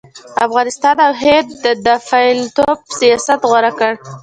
افغانستان او هند د ناپېلتوب سیاست غوره کړ.